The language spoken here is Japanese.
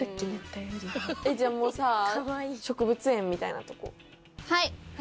熱帯じゃあもうさ、植物園みたいはい！